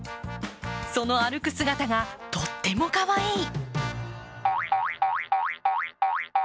その歩く姿がとってもかわいい。